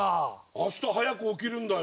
あした早く起きるんだよ。